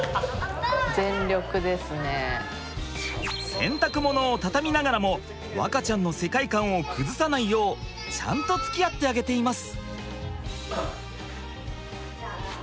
洗濯物を畳みながらも和花ちゃんの世界観を崩さないようちゃんとつきあってあげています。